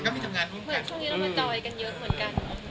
เหมือนช่วงนี้เรามาส่อยกันเยอะเหมือนกัน